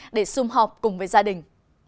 để xung họp cùng với gia đình